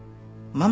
ママ？